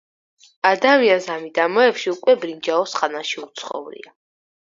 ადამიანს ამ მიდამოებში უკვე ბრინჯაოს ხანაში უცხოვრია.